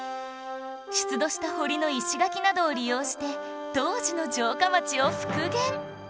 出土した堀の石垣などを利用して当時の城下町を復元！